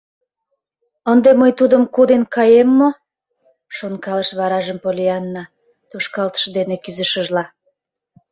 «Ынде мый тудым коден каем мо? — шонкалыш варажым Поллианна, тошкалтыш дене кӱзышыжла.